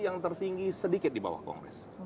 yang tertinggi sedikit di bawah kongres